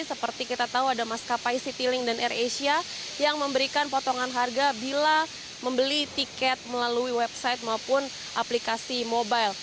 seperti kita tahu ada maskapai citylink dan air asia yang memberikan potongan harga bila membeli tiket melalui website maupun aplikasi mobile